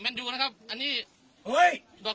สวัสดีครับสวัสดีครับ